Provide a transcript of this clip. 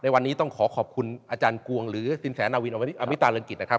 วันนี้ต้องขอขอบคุณอาจารย์กวงหรือสินแสนาวินอมิตาเรืองกิจนะครับ